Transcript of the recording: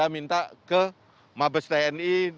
minta ke mabes tni